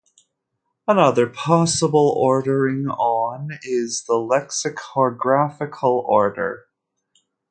Another possible ordering on is the lexicographical order.